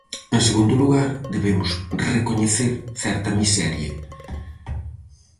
En segundo lugar, debemos recoñecer certa miseria.